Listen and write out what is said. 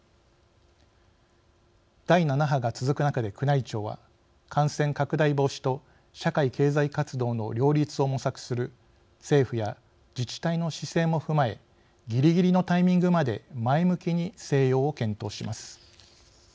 第７波が続く中で宮内庁は感染拡大防止と社会経済活動の両立を模索する政府や自治体の姿勢も踏まえぎりぎりのタイミングまで前向きに静養を検討します。